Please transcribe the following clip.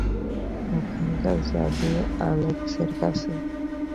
ওখানকার চাবি অ্যালেক্সের কাছে।